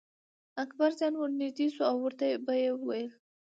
اکبرجان به ور نږدې شو او ورته به یې ویل.